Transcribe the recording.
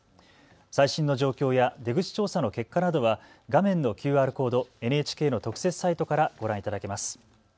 最新の状況や出口調査の結果などは画面のＱＲコード、ＮＨＫの特設サイトからご覧いただけます。